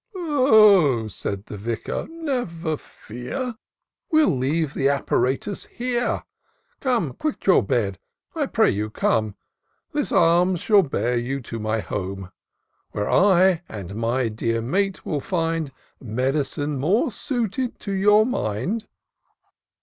" Oh," said the Vicar, " never fear ; We'll leave the apparatus herje. Come, quit your bed — I pray you, come ; This arm shall bear you to my home. Where I and my dear mate will find Med'cine more suited to your mind.